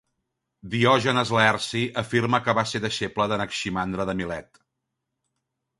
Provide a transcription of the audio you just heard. Diògenes Laerci afirma que va ser deixeble d'Anaximandre de Milet.